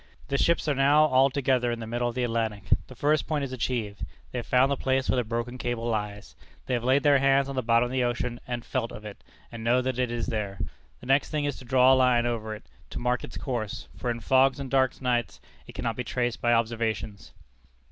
The ships are now all together in the middle of the Atlantic. The first point is achieved. They have found the place where the broken cable lies they have laid their hands on the bottom of the ocean and "felt of it," and know that it is there. The next thing is to draw a line over it, to mark its course, for in fogs and dark nights it cannot be traced by observations.